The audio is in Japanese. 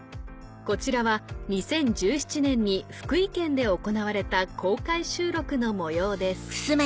こちらは２０１７年に福井県で行われた公開収録の模様です